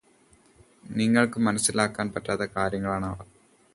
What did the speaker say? നിങ്ങള്ക്ക് മനസ്സിലാക്കാന് പറ്റാത്ത കാര്യങ്ങളാണവ